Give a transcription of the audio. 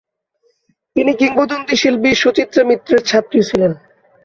তিনি কিংবদন্তি শিল্পী সুচিত্রা মিত্রের ছাত্রী ছিলেন।